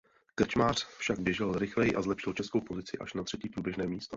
Krčmář však běžel rychleji a zlepšil českou pozici až na třetí průběžné místo.